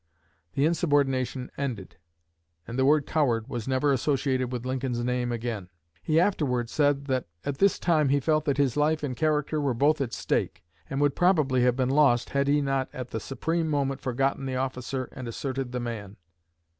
The insubordination ended, and the word "coward" was never associated with Lincoln's name again. He afterward said that at this time he felt that his life and character were both at stake, and would probably have been lost had he not at the supreme moment forgotten the officer and asserted the man.